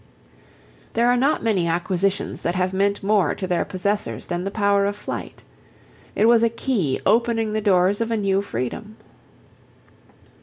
There are not many acquisitions that have meant more to their possessors than the power of flight. It was a key opening the doors of a new freedom.